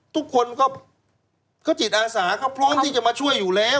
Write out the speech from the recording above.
ทุกคนก็จิตอาสาเขาพร้อมที่จะมาช่วยอยู่แล้ว